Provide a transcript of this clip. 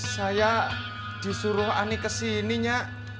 saya disuruh ani kesininya